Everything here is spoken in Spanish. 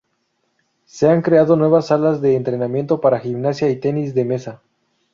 Se han creado nuevas salas de entrenamiento para gimnasia y tenis de mesa.